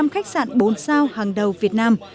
một mươi năm khách sạn bốn sao hàng đầu việt nam